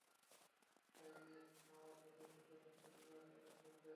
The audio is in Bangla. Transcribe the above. তাই ইয়াকূব মামার কাছে ছোটজনকে বিবাহ করার প্রস্তাব দেন।